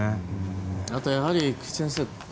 あとやはり菊地先生